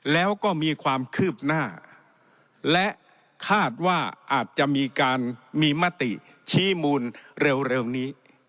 แล้วก็มีความคืบหน้าและคาดว่าอาจจะมีการมีมติชี้มูลเร็วนี้